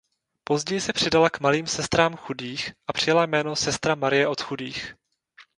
Později se přidala k Malým sestrám chudých a přijala jméno "Sestra Marie od chudých".